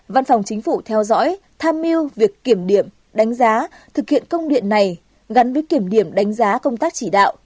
văn phòng chính phủ theo dõi tham mưu việc kiểm điểm đánh giá thực hiện công điện này gắn với kiểm điểm đánh giá công tác chỉ đạo